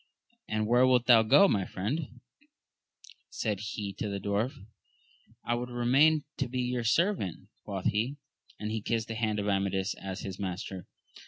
And where wilt thou go, my friend ? said he to the dwarf. I would remain and be your servant, quoth he, and he kissed the hand of Amadis as his master.